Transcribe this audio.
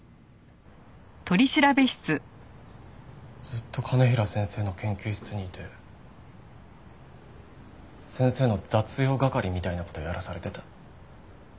ずっと兼平先生の研究室にいて先生の雑用係みたいな事をやらされてた。